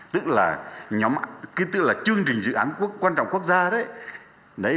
tức là chương trình dự án quan trọng quốc gia đấy